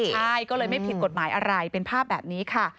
ใช่ก็เลยไม่ผิดกฎหมายอะไรเป็นภาพแบบนี้ค่ะ